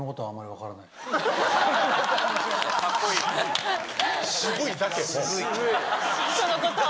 かっこいい。